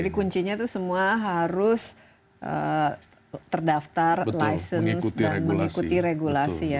jadi kuncinya itu semua harus terdaftar license dan mengikuti regulasi